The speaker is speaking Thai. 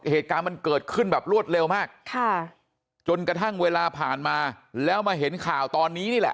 เหตุการณ์มันเกิดขึ้นแบบรวดเร็วมากจนกระทั่งเวลาผ่านมาแล้วมาเห็นข่าวตอนนี้นี่แหละ